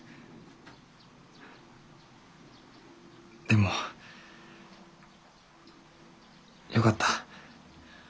でもよかった。